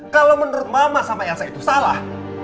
kalau menurut mama sama elsa itu salah